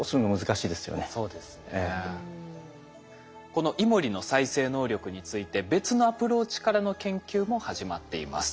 このイモリの再生能力について別のアプローチからの研究も始まっています。